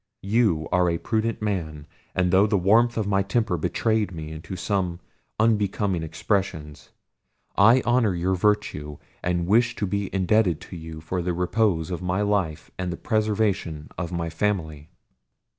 You are a prudent man, and though the warmth of my temper betrayed me into some unbecoming expressions, I honour your virtue, and wish to be indebted to you for the repose of my life and the preservation of my family."